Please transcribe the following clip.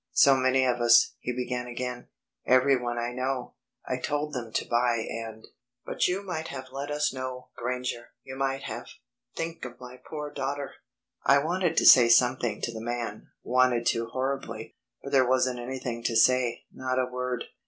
"So many of us," he began again, "everyone I know.... I told them to buy and ... But you might have let us know, Granger, you might have. Think of my poor daughter." I wanted to say something to the man, wanted to horribly; but there wasn't anything to say not a word.